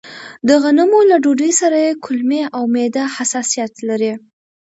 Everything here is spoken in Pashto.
د غنمو له ډوډۍ سره يې کولمې او معده حساسيت لري.